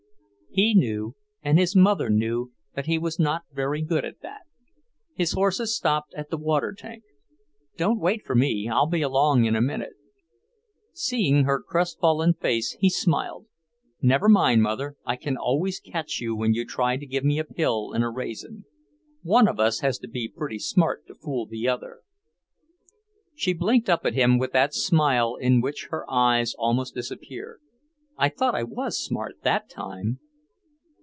He knew, and his mother knew, that he was not very good at that. His horses stopped at the water tank. "Don't wait for me. I'll be along in a minute." Seeing her crestfallen face, he smiled. "Never mind, Mother, I can always catch you when you try to give me a pill in a raisin. One of us has to be pretty smart to fool the other." She blinked up at him with that smile in which her eyes almost disappeared. "I thought I was smart that time!"